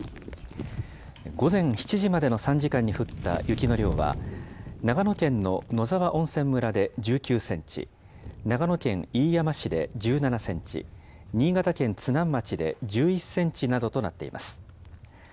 午前７時までの３時間に降った雪の量は、長野県の野沢温泉村で１９センチ、長野県飯山市で１７センチ、新潟県津南町で１１センチなどとなっています。